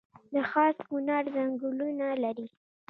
د خاص کونړ ځنګلونه لري